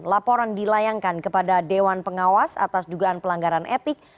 laporan dilayangkan kepada dewan pengawas atas dugaan pelanggaran etik